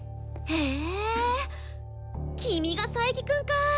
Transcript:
へえ君が佐伯くんか！